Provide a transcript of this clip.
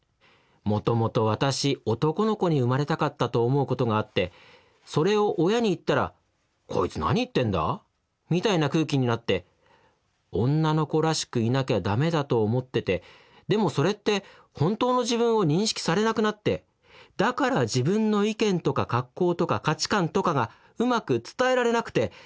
もともと私男の子に生まれたかったと思うことがあってそれを親に言ったら『こいつ何言ってんだ』みたいな空気になって女の子らしくいなきゃ駄目だと思っててでもそれって本当の自分を認識されなくなってだから自分の意見とか格好とか価値観とかがうまく伝えられなくて。